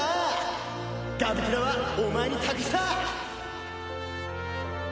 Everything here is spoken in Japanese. ガブティラはお前に託した！